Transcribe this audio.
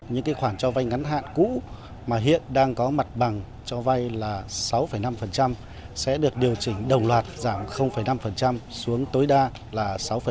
những khoản cho vay ngắn hạn cũ mà hiện đang có mặt bằng cho vay là sáu năm sẽ được điều chỉnh đồng loạt giảm năm xuống tối đa là sáu